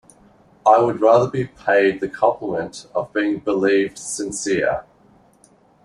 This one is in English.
I would rather be paid the compliment of being believed sincere.